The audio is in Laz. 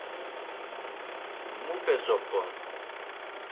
Mupe zop̌on?